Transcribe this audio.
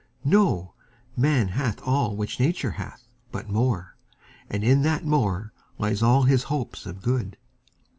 Know, man hath all which Nature hath, but more, And in that more lie all his hopes of good.